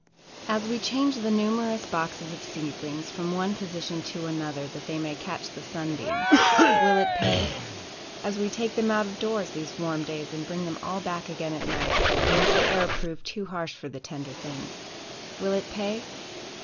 As we change the numerous boxes of seedlings from one position to another, that they may catch the sunbeams, "Will it pay?" As we take them out of doors these warm days, and bring them all back again at night, lest the air prove too harsh for the tender things, "Will it pay?"